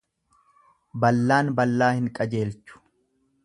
Ballaan ballaa hin qajeelchu.